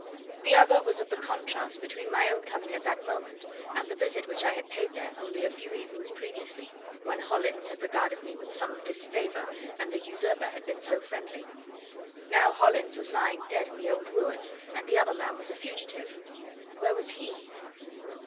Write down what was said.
The other was of the contrast between my own coming at that moment and the visit which I had paid there, only a few evenings previously, when Hollins had regarded me with some disfavour and the usurper had been so friendly. Now Hollins was lying dead in the old ruin, and the other man was a fugitive and where was he?